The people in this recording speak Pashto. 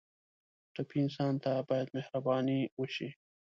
ټپي انسان ته باید مهرباني وشي.